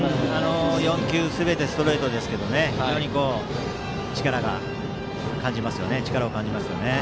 ４球すべてストレートですけど非常に力を感じますよね。